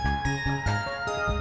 gak usah banyak ngomong